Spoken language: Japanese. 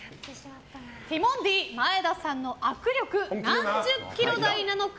ティモンディ・前田さんの握力何十キロ台なのか。